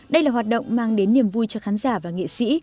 đây là hoạt động mang đến niềm vui cho khán giả và nghệ sĩ